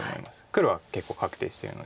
黒は結構確定してるので。